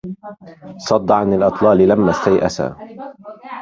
صد عن الأطلال لما استيأسا